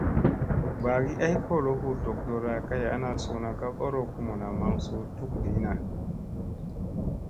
Bagi ay kolo hu doctorra kay ana suuna ka ɓorow kumuna maŋ suu tukɗiina.